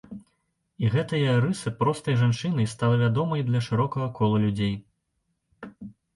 І гэта яе рыса простай жанчынай стала вядомай для шырокага кола людзей.